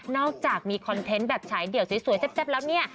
อกจากมีคอนเทนต์แบบฉายเดี่ยวสวยแซ่บแล้วเนี่ย